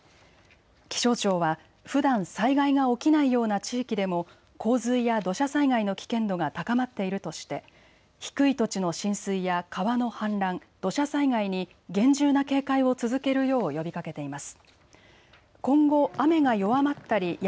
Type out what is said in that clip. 気象庁はふだん災害が起きないような地域でも洪水や土砂災害の危険度が高まっているとして低い土地の浸水や川の氾濫、土砂災害に厳重な警戒を続けるよう呼びかけています。